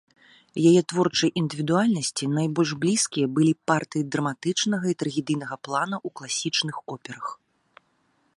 Яе творчай індывідуальнасці найбольш блізкія былі партыі драматычнага і трагедыйнага плана ў класічных операх.